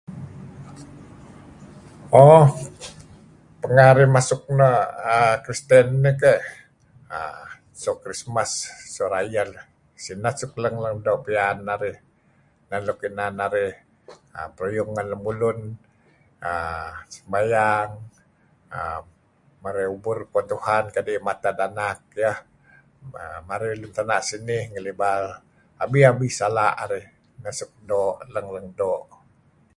Ooh narih masuh na' uhm Kristen nih. So Krismas. Sineh suk leng doo' piyan narih nuk inan narih peruyung ngen lemulun uhm sembayang uhm marey ubur ngen Tuhan kadi' iyeh matd anak iyeh marih luun tana' sinih ngelibal abi-abi sala' narih. Neh suk leng-lng doo'.